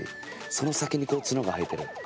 その先にツノが生えてる。